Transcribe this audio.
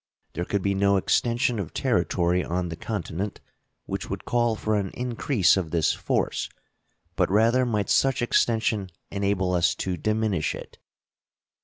There could be no extension of territory on the continent which would call for an increase of this force, but rather might such extension enable us to diminish it.